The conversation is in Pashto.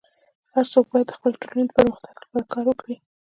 هر څوک باید د خپلي ټولني د پرمختګ لپاره کار وکړي.